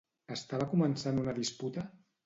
Estava començant una disputa?